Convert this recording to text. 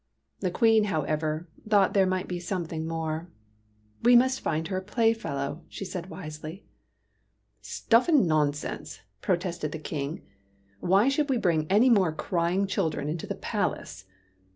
The Queen, however, thought there might be something more. "We must find her a playfellow," she said wisely. "Stuff and nonsense!" protested the King. " Why should we bring any more crying chil dren into the palace